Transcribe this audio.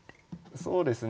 そうですね。